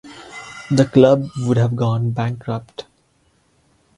The club would have gone bankrupt.